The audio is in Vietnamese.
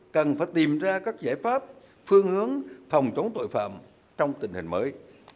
cần phải tìm ra các giải pháp phương hướng phòng chống tội phạm trong tình hình mới